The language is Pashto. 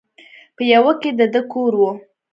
په يوه کښې د ده کور و.